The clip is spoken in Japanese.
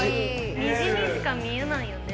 虹にしか見えないよね。